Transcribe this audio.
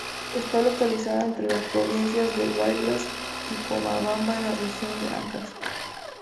Está localizado entre las provincias de Huaylas y Pomabamba en la región de Áncash.